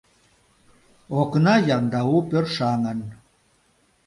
Окна яндау пӧршаҥын.